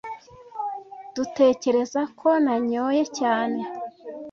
Dutekereza ko nanyoye cyane.